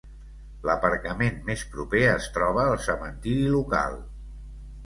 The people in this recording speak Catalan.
L'aparcament més proper es troba al cementiri local.